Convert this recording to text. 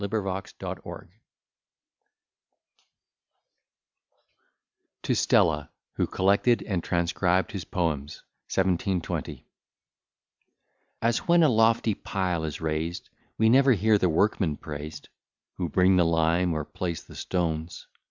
] TO STELLA, WHO COLLECTED AND TRANSCRIBED HIS POEMS 1720 As, when a lofty pile is raised, We never hear the workmen praised, Who bring the lime, or place the stones.